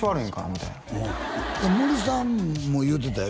みたいな森さんも言うてたよ